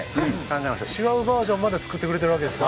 違うバージョンまで作ってくれてるわけですか？